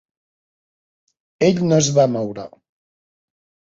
Ell no es va moure.